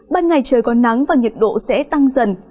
ban ngày trời có nắng và nhiệt độ sẽ tăng dần